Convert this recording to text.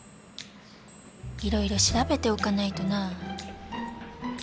いろいろ調べておかないとなあ。